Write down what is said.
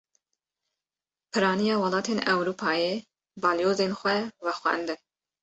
Piraniya welatên Ewropayê, balyozên xwe vexwendin